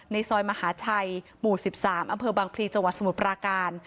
ในซอยมหาชัยหมู่๑๓อำเภอบางพลีจังหวัดสมุทรปราการ